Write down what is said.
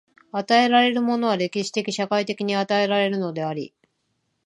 与えられるものは歴史的・社会的に与えられるのであり、